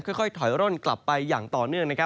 ค่อยถอยร่นกลับไปอย่างต่อเนื่อง